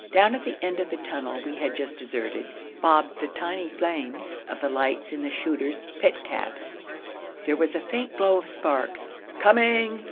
Down at the end of the tunnel we had just deserted, bobbed the tiny flames of the lights in the shooters' pit caps. There was a faint glow of sparks. 'Coming!'